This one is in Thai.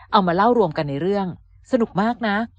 เอามาเล่ารวมกันในเรื่องสนุกมากนะ